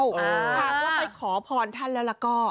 หากว่าไปขอพรท่านแล้วก็